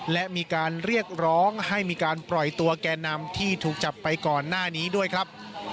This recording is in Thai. และมีการเรียกร้องให้มีการปล่อยตัวแก่นำที่ถูกจับไปก่อนหน้านี้ด้วยครับ